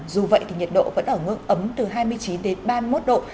dù vậy thì nhiệt độ vẫn ở ngưỡng ấm từ hai mươi chín đến ba mươi một độ